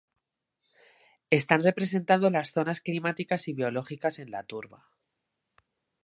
Están representando las zonas climáticas y biológicas en la turba.